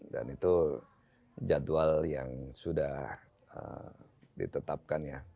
dan itu jadwal yang sudah ditetapkan ya